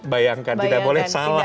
bayangkan tidak boleh salah